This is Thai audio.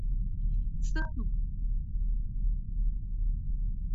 ซึ่ง